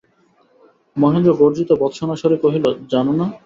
মহেন্দ্র গর্জিত ভর্ৎসনার স্বরে কহিল, জান না!